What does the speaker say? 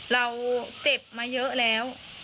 เราเจ็บมาเยอะแล้ว